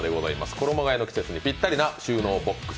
衣がえの季節にぴったりな収納ボックス